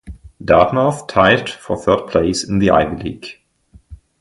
Dartmouth tied for third place in the Ivy League.